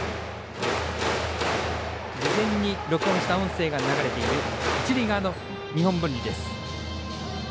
事前に録音した音声が流れている一塁側の日本文理です。